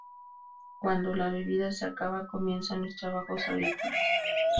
Cuando la bebida se acaba, comienzan los trabajos agrícolas.